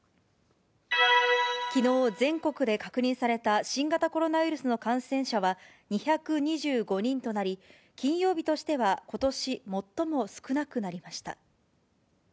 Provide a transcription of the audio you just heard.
きのう、全国で確認された新型コロナウイルスの感染者は２２５人となり、金曜日としてはことし最も少なくなりました。